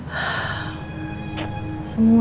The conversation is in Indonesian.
aduh betul kabur